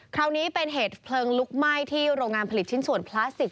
คราวนี้เป็นเหตุเพลิงลุกไหม้ที่โรงงานผลิตชิ้นส่วนพลาสติก